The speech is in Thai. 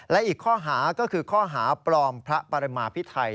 และอีกข้อหาก็คือข้อหาปลอมพระปรมาพิไทย